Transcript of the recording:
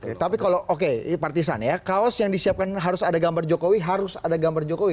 oke tapi kalau oke partisan ya kaos yang disiapkan harus ada gambar jokowi harus ada gambar jokowi